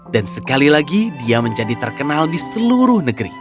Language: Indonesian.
dan sekali lagi dia menjadi terkenal di seluruh negeri